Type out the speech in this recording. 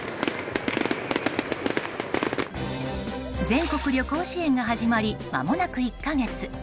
全国旅行支援が始まりまもなく１か月。